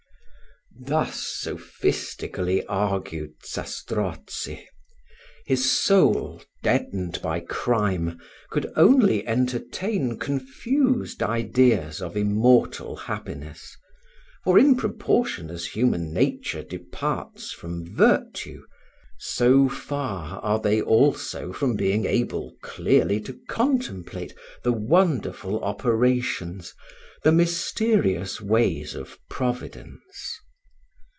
Thus sophistically argued, Zastrozzi. His soul, deadened by crime, could only entertain confused ideas of immortal happiness; for in proportion as human nature departs from virtue, so far are they also from being able clearly to contemplate the wonderful operations, the mysterious ways of Providence.